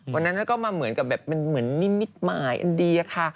วันนั้นก็มาเหมือนกับแบบมันเหมือนนิมิตหมายอันดีอะค่ะ